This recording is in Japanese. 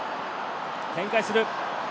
展開する。